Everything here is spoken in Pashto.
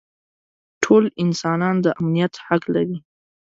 ټول انسانان د امنیت حق لري.